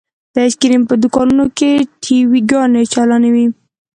د ايسکريم په دوکانونو کښې ټي وي ګانې چالانې وې.